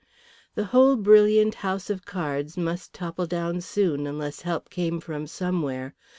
The whole brilliant house of cards must topple down soon unless help came from somewhere.